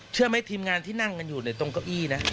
เชื่อไหมทีมงานที่นั่งกันอยู่ในตรงเก้าอี้นะ